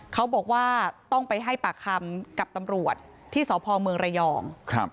เขาบอกว่าต้องไปให้ปากคำกับตำรวจที่สพเมืองระยอง